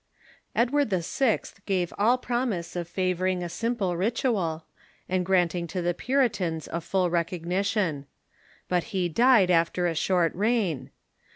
Edward VI. gave all promise of favoring a simple ritual and granting to the Puritans a full recognition. But he died after a short reign.